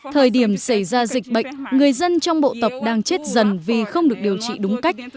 thời điểm xảy ra dịch bệnh người dân trong bộ tập đang chết dần vì không được điều trị đúng cách